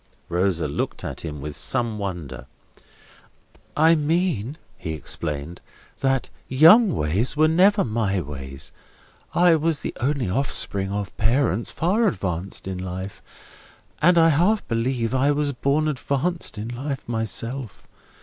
Rosa looked at him with some wonder. "I mean," he explained, "that young ways were never my ways. I was the only offspring of parents far advanced in life, and I half believe I was born advanced in life myself.